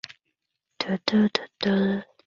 她不幸中风了